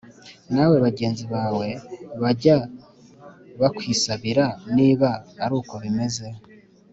nawe bagenzi bawe bajya bakwibasira Niba ari uko bimeze